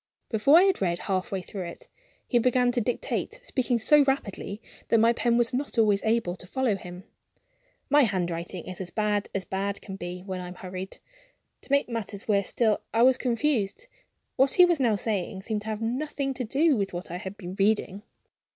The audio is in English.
Before I had read half way through it, he began to dictate, speaking so rapidly that my pen was not always able to follow him. My handwriting is as bad as bad can be when I am hurried. To make matters worse still, I was confused. What he was now saying seemed to have nothing to do with what I had been reading.